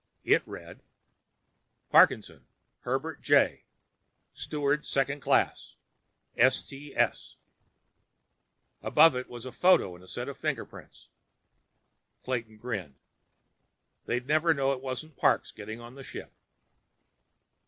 It read: PARKINSON, HERBERT J. Steward 2nd Class, STS Above it was a photo, and a set of fingerprints. Clayton grinned. They'd never know it wasn't Parks getting on the ship.